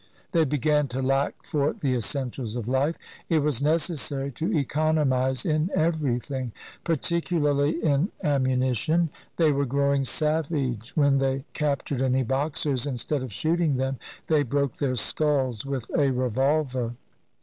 They began to lack for the essentials of life. It was necessary to economize in everything, particularly in ammunition ; they were growing savage, — when they captured any Boxers, instead of shooting them they broke their skulls with a revolver.